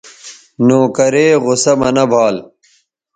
نوکرے غصہ مہ نہ بھال